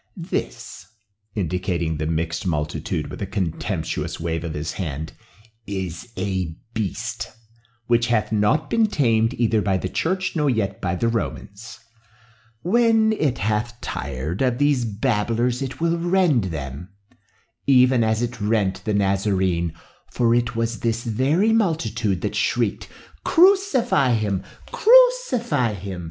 This," indicating the mixed multitude with a contemptuous wave of his hand, "is a beast, which hath not been tamed either by the church nor yet by the Romans. When it hath tired of these babblers it will rend them, even as it rent the Nazarene, for it was this very multitude that shrieked, 'Crucify him! crucify him!